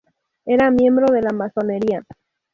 Era miembro de la masonería.